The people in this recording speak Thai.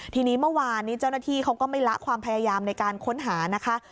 ทีนี้เมื่อวานนี้เจ้าหน้าที่เขาก็ไม่ละความพยายามในการค้นหานะคะ